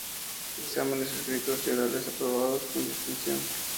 Exámenes escritos y orales aprobados con distinción.